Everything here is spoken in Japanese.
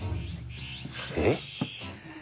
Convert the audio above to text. えっ？